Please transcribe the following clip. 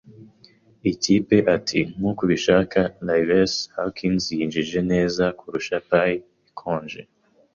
Ikipe ati: "Nkuko ubishaka, Livesey"; “Hawkins yinjije neza kurusha pie ikonje.”